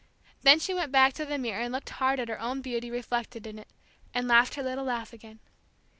Then she went back to the mirror and looked hard at her own beauty reflected in it; and laughed her little laugh again.